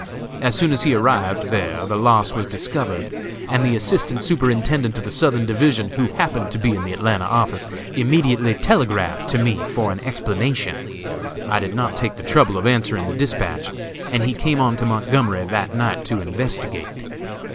As soon as he arrived there the loss was discovered, and the Assistant Superintendent of the Southern Division, who happened to be in the Atlanta office, immediately telegraphed to me for an explanation. I did not take the trouble of answering the despatch, and he came on to Montgomery that night to investigate.